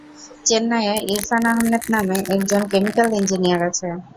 চেন্নাইয়ে ইরফান আহমেদ নামে একজন কেমিকেল ইঞ্জিনিয়ার আছে।